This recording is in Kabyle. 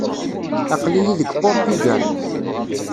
Aql-iyi deg Puṛtugal.